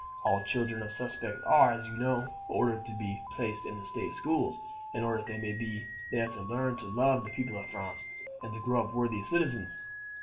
All children of suspects are, as you know, ordered to be placed in the state schools, in order that they may there learn to love the people of France and to grow up worthy citizens.